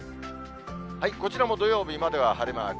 こちらも土曜日までは晴れマーク。